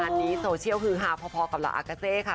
นี้โซเชียลฮือฮาพอกับเราอากาเซค่ะ